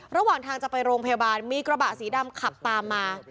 ระหว่างทางจะไปโรงพยาบาลมีกระบะสีดำขับตามมา